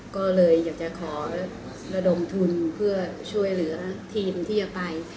ก็เลยอยากจะขอระดมทุนเพื่อช่วยเหลือทีมที่จะไป